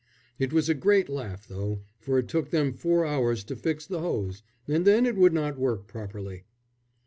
It was a great laugh, though, for it took them four hours to fix the hose and then it would not work properly.